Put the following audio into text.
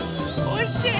おいしい？